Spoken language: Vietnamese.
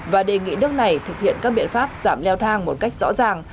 và đề nghị nước này thực hiện các biện pháp giảm leo thang một cách rõ ràng